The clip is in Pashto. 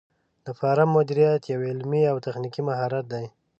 د فارم مدیریت یو علمي او تخنیکي مهارت دی.